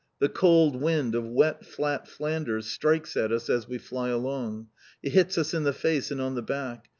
The cold wind of wet, flat Flanders strikes at us as we fly along. It hits us in the face and on the back.